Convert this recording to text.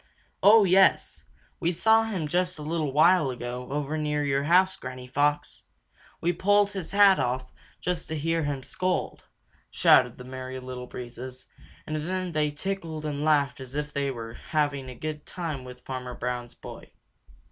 "Oh, yes! We saw him just a little while ago over near your house, Granny Fox. We pulled his hat off, just to hear him scold," shouted the Merry Little Breezes, and then they tickled and laughed as if they had had a good time with Farmer Brown's boy.